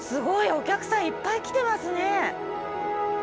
お客さんいっぱい来てますね！